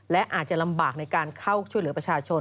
และอาจจะลำบากในการเข้าช่วยเหลือประชาชน